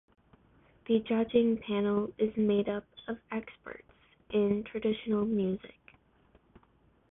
The judging panel is made up of experts in traditional music.